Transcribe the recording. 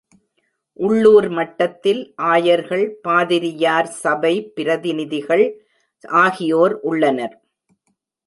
உள்ளூர் மட்டத்தில் ஆயர்கள், பாதிரியார் சபை பிரதிநிதிகள் ஆகியோர் உள்ளனர்.